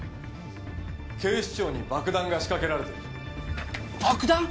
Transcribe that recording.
警視庁に爆弾が仕掛けられてる爆弾！？